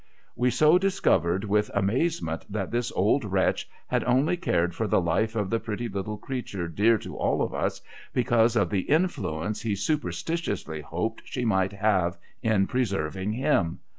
' We so discovered with amaze ment, that this old wretch had only cared for the life of the pretty little creature dear to all of us, because of the influence he super sliliously hoped she might have in preserving him